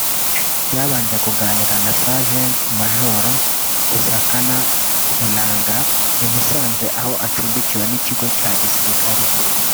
ryabanje kuganira na Sergent majoro Kusakana Munanga imusanze aho acumbikiwe n’ikigo cya gisirikare